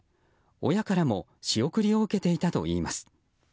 親からも仕送りを受けていたといいます。